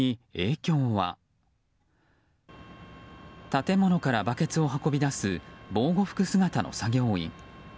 建物からバケツを運び出す防護服姿の作業員。